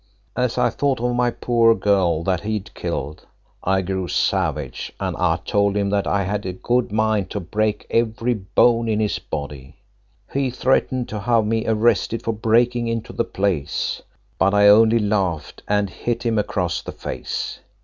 "As I thought of my poor girl that he'd killed I grew savage, and I told him that I had a good mind to break every bone in his body. He threatened to have me arrested for breaking into the place, but I only laughed and hit him across the face.